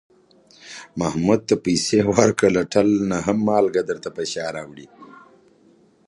محمود ته پسې ورکړه، له ټل نه هم مالگه درته په شا راوړي.